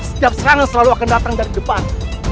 setiap serangan selalu akan datang dari depan